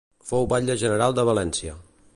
Fou batlle general de València.